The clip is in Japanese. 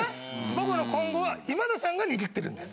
僕の今後は今田さんが握ってるんです。